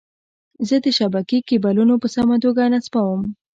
زه د شبکې کیبلونه په سمه توګه نصبووم.